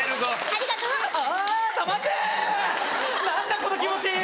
何だこの気持ち。